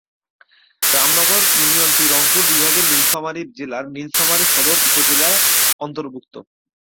রামনগর ইউনিয়নটি রংপুর বিভাগের নীলফামারী জেলার নীলফামারী সদর উপজেলার অন্তর্ভুক্ত।